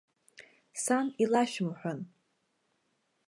Сан илашәымҳәан.